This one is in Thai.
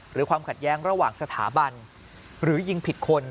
ความขัดแย้งระหว่างสถาบันหรือยิงผิดคน